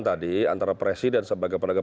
tadi antara presiden sebagai penegak